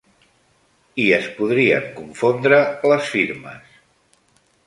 ...i es podrien confondre les firmes.